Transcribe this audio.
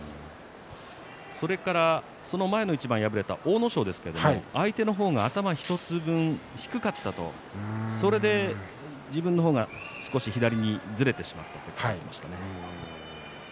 その前の一番で敗れた阿武咲ですが、相手の方が頭１つ分低かったそれで自分の方が少し左にずれてしまったと話していました。